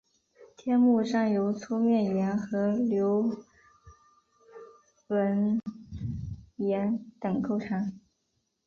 天目山由粗面岩和流纹岩等构成。